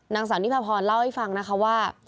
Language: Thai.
นางสาวนิพาพรเล่าให้ฟังนะคะว่า